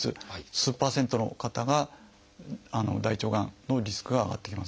数％の方が大腸がんのリスクが上がってきます。